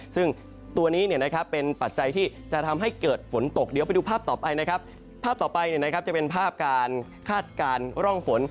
ซึ่งตัวนี้เป็นปัจจัยที่จะทำให้เกิดฝนตกเดี๋ยวไปดูภาพต่อไปนะครับภาพต่อไปจะเป็นภาพการคาดการณ์ร่องฝน